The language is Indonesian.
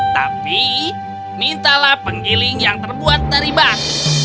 tapi mintalah penggiling yang terbuat dari bank